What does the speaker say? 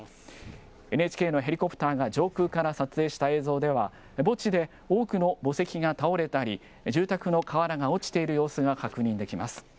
ＮＨＫのヘリコプターが上空から撮影した映像では、墓地で多くの墓石が倒れたり、住宅の瓦が落ちている様子が確認できます。